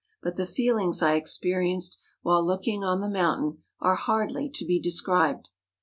But the feelings I experienced while looking on the moun¬ tain are hardly to be described.